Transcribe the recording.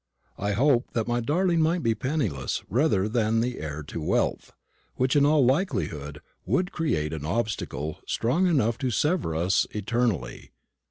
I hoped that my darling might be penniless rather than the heir to wealth, which, in all likelihood, would create an obstacle strong enough to sever us eternally.